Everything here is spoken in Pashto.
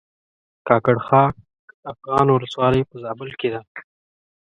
کاکړ خاک افغان ولسوالۍ په زابل کښې ده